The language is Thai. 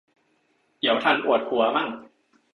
เดี๋ยวทันอวดผัวมั่ง